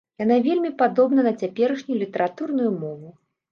Яна вельмі падобна на цяперашнюю літаратурную мову.